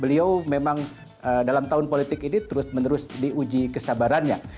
beliau memang dalam tahun politik ini terus menerus diuji kesabarannya